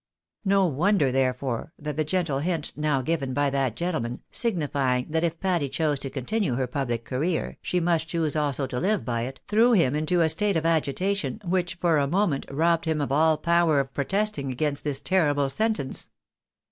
No wonder, therefore, that the gentle hint now given by that gentleman, signifying that if Patty chose to continue her public career, she must choose also to hve by it, threw him into a state of agitation, which, for a moment, robbed him of all power of pro testing against this terrible sentence.